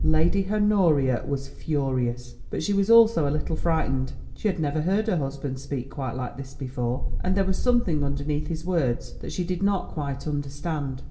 Lady Honoria was furious, but she was also a little frightened. She had never heard her husband speak quite like this before, and there was something underneath his words that she did not quite understand.